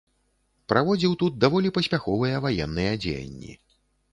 Праводзіў тут даволі паспяховыя ваенныя дзеянні.